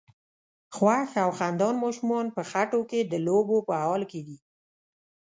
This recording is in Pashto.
خوښ او خندان ماشومان په خټو کې د لوبو په حال کې دي.